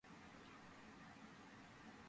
გააჩნია რამდენიმე დიალექტი.